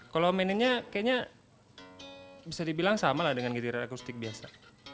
kalau mainannya kayaknya bisa dibilang sama dengan gitar akustik biasa